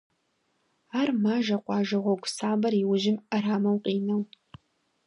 Ар мажэ къуажэ гьуэгу сабэр и ужьым ӏэрамэу къинэу.